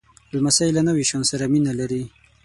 لمسی له نویو شیانو سره مینه لري.